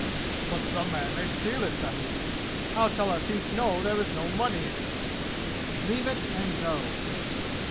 "But some man may steal it, sahib. How shall a thief know there is no money in it?" "Leave it and go!"